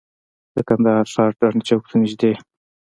د کندهار ښار ډنډ چوک ته نږدې.